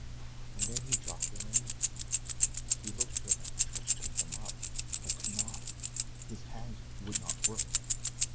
And then he dropped the reins. He looked for them, tried to pick them up, but could not his hands would not work....